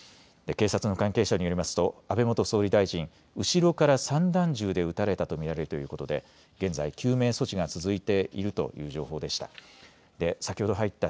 警察の関係者によりますと安倍元総理大臣、後ろから散弾銃で撃たれたと見られるということで現在、救命措置が続いているという情報でした。